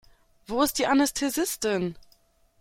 Wo ist die Anästhesistin?